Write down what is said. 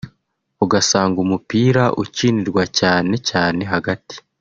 ugasanga umupira ukinirwa cyane cyane hagati